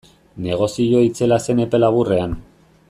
Negozio itzela zen epe laburrean.